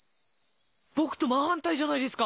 僕と真反対じゃないですか！